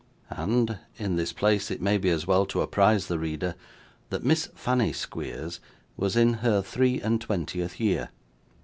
And, in this place, it may be as well to apprise the reader, that Miss Fanny Squeers was in her three and twentieth year.